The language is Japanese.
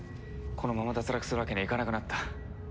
このまま脱落するわけにはいかなくなった。